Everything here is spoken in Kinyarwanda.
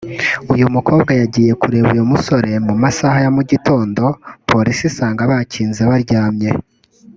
uyu mukobwa yagiye kureba uyu musore mu masaha ya mugitondo polisi isanga bakinze baryamye